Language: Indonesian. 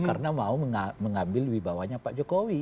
karena mau mengambil wibawanya pak jokowi